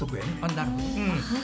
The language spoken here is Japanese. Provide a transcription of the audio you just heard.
なるほど。